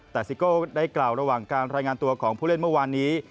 แต่ซิโก้ได้กล่าวระหว่างการรายงานตัวของผู้เล่นเมื่อวานนี้